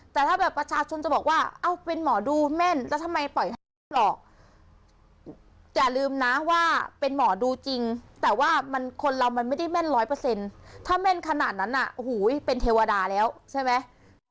แต่ถ้าแบบประชาชนจะบอกว่าเอ้าเป็นหมอดูแม่นแล้วทำไมปล่อยให้แม่ปลอกอย่าลืมนะว่าเป็นหมอดูจริงแต่ว่ามันคนเรามันไม่ได้แม่นร้อยเปอร์เซ็นต์ถ้าแม่นขนาดนั้นน่ะโอ้โหเป็นเทวดาแล้วใช่ไหม